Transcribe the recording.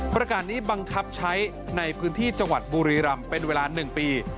ประกาศนี้บังคับใช้ในพื้นที่จังหวัดบุรีรำเป็นเวลา๑ปี